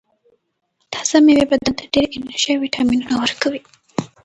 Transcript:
تازه مېوې بدن ته ډېره انرژي او ویټامینونه ورکوي.